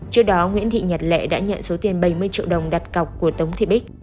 trước đó nguyễn thị nhật lệ đã nhận số tiền bảy mươi triệu đồng đặt cọc của tống thị bích